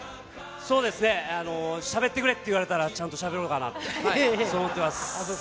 そうですね、しゃべってくれって言われたら、ちゃんとしゃべろうかなと、そう思ってます。